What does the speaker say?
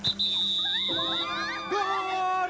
ゴール！